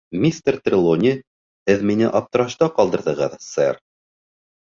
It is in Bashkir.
Мистер Трелони, һеҙ мине аптырашта ҡалдырҙығыҙ, сэр.